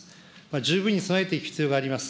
十分に備えていく必要があります。